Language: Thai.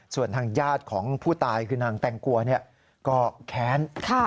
ส่วนทางญาติของผู้ตายคือนางแตงกัวก็แค้น